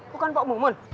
bukan pak mumun